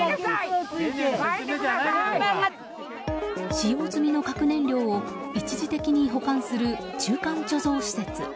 使用済みの核燃料を一時的に保管する中間貯蔵施設。